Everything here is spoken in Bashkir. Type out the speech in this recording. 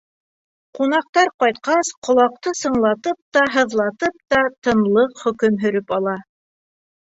Ҡунаҡтар ҡайтҡас, ҡолаҡты сыңлатып та, һыҙлатып та тынлыҡ хөкөм һөрөп ала.